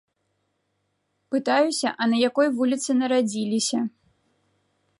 Пытаюся, а на якой вуліцы нарадзіліся.